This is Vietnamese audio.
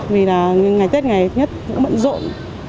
vì là ngày tết ngày nhất cũng mận rộn